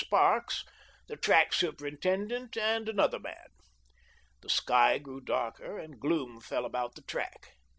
1G7 Sparks, the track superintendent and another man. The sky grew darker, and gloom fell about the track.